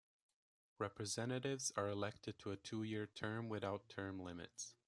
Representatives are elected to a two-year term without term limits.